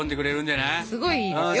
すごいいいですよ